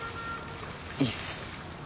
いいっす。